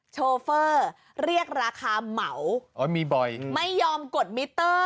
โชเฟอร์เรียกราคาเหมาไม่ยอมกดมิเตอร์